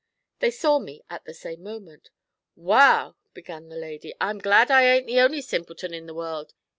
They saw me at the same moment. 'Wal,' began the lady, 'I'm glad I ain't the only simpleton in the world!